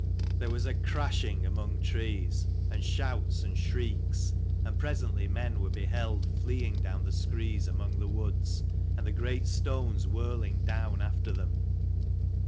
There was a crashing among trees, and shouts and shrieks; and presently men were beheld fleeing down the screes among the woods, and the great stones whirling down after them.